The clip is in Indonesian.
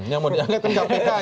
yang mau diangkat itu kpk